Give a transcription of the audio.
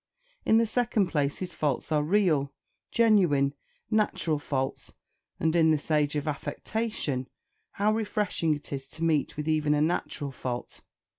In the second place, his faults are real, genuine, natural faults; and in this age of affectation how refreshing it is to meet with even a natural fault!